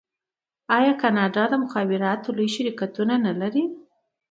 آیا کاناډا د مخابراتو لوی شرکتونه نلري؟